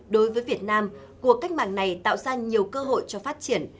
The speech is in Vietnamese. đối với việt nam cuộc cách mạng này tạo ra nhiều cơ hội cho phát triển